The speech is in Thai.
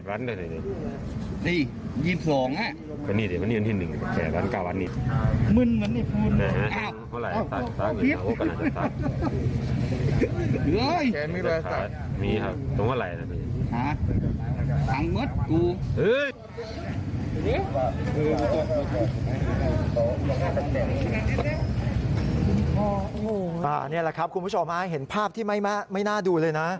อันนี้แหละครับคุณผู้ชมเห็นภาพที่ไม่น่าดูเลยนะ